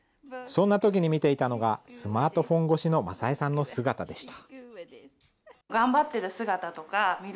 そんなときに見ていたのが、スマートフォン越しのマサ江さんの姿でした。